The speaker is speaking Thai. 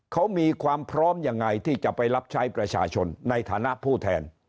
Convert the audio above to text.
เขามีความพร้อมยังไงที่จะไปรับใช้ประชาชนในฐานะผู้แทน